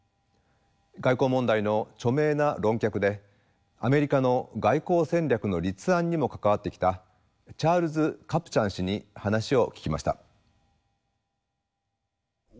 外交問題の著名な論客でアメリカの外交戦略の立案にも関わってきたチャールズ・カプチャン氏に話を聞きました。